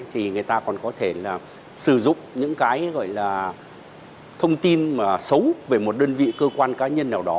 thì người ta còn có thể là sử dụng những cái gọi là thông tin mà xấu về một đơn vị cơ quan cá nhân nào đó